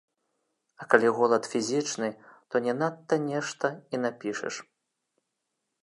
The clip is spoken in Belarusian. А калі голад фізічны, то не надта нешта і напішаш!